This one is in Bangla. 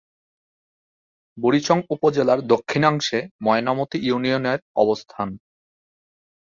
বুড়িচং উপজেলার দক্ষিণাংশে ময়নামতি ইউনিয়নের অবস্থান।